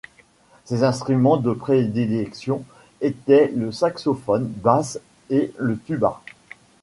Ses instruments de prédilection étaient le saxophone basse et le tuba.